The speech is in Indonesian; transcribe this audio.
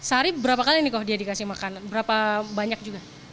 sehari berapa kali ini kok dia dikasih makan berapa banyak juga